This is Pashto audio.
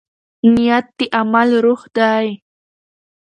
نیت د عمل روح دی.